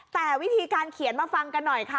แต่วิธีการเขียนมาฟังกันหน่อยค่ะ